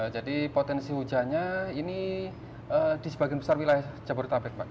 jadi potensi hujannya ini di sebagian besar wilayah jabodetabek